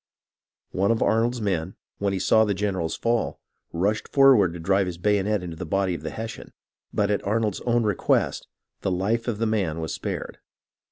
One of Arnold's men, when he saw the general fall, rushed forward to drive his bayonet into the body of the Hes sian ; but at Arnold's own request the life of the man was spared.